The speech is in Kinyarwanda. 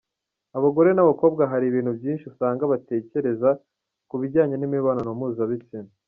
Abagore n’abakobwa hari ibintu byinshi usanga batekereza ku bijyanye n’imibonano mpuzabitsinda.